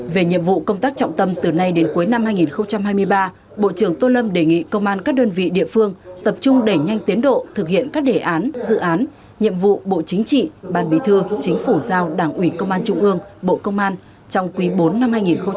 về nhiệm vụ công tác trọng tâm từ nay đến cuối năm hai nghìn hai mươi ba bộ trưởng tô lâm đề nghị công an các đơn vị địa phương tập trung đẩy nhanh tiến độ thực hiện các đề án dự án nhiệm vụ bộ chính trị ban bí thư chính phủ giao đảng ủy công an trung ương bộ công an trong quý bốn năm hai nghìn hai mươi ba